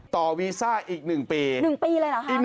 ต่อวีซ่าอีกหนึ่งปี